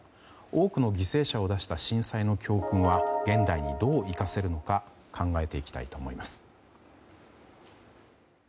多くの犠牲者を出した震災の教訓は現代にどう生かせるのか考えていきたいと思います。